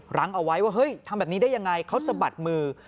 หลังเอาไว้ว่าเฮ้ยทำแบบนี้ได้ยังไงเขาสะบัดมือ